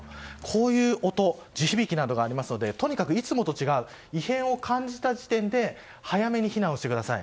こういう音地響きなどがありますのでとにかくいつもと違う異変を感じた時点で早めに避難してください。